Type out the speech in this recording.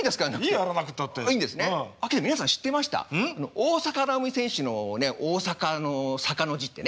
大坂なおみ選手の大坂の坂の字ってね